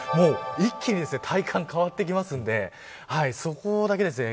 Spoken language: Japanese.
一気に体感、変わってきますのでそこだけですね。